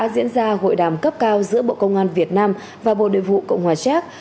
qua hội đàm cấp cao giữa bộ công an việt nam và bộ đề vụ cộng hòa sát